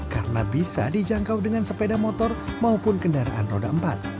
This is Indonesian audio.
karena bisa dijangkau dengan sepeda motor maupun kendaraan roda empat